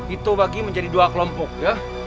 itu bagi menjadi dua kelompok ya